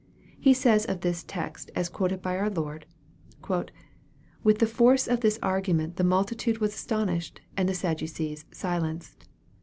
He says of this text as quoted by our Lord, " With the force of this argument the multitude was astonished, and the Sadducees silenced.